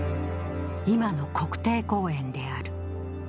今の国定公園である。